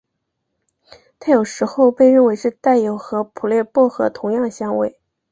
它有时候被认为是带有和普列薄荷同样香味。